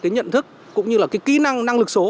cái nhận thức cũng như là cái kỹ năng năng lực số